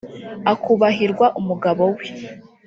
akubahirwa umugabo we